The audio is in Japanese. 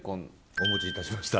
お持ちいたしました。